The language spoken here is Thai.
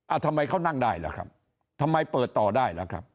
ทำไมเขานั่งได้ล่ะครับทำไมเปิดต่อได้ล่ะครับ